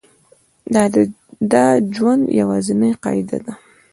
د ژوند یوازینۍ قاعده ده